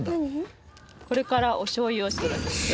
これからおしょうゆを作るんですけど。